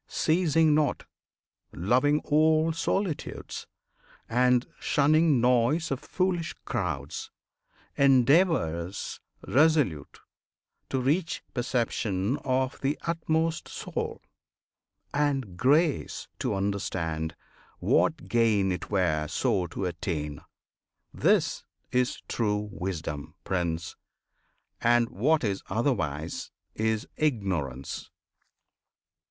ceasing not; Loving all solitudes, and shunning noise Of foolish crowds; endeavours resolute To reach perception of the Utmost Soul, And grace to understand what gain it were So to attain, this is true Wisdom, Prince! And what is otherwise is ignorance!